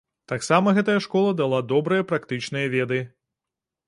Таксама гэтая школа дала добрыя практычныя веды.